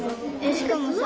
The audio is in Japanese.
しかもさ。